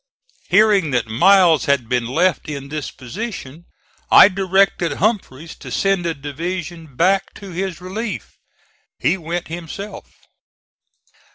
Hearing that Miles had been left in this position, I directed Humphreys to send a division back to his relief. He went himself.